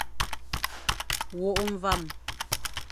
Wôkh mvam.